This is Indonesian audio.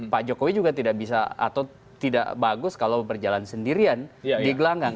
pak jokowi juga tidak bisa atau tidak bagus kalau berjalan sendirian di gelanggang